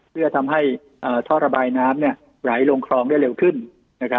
เพื่อทำให้ท่อระบายน้ำเนี่ยไหลลงครองได้เร็วขึ้นนะครับ